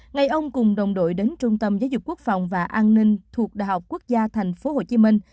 ngày ông cùng đồng đội đến trung tâm giáo dục quốc phòng và an ninh thuộc đại học quốc gia thành phố hồ chí minh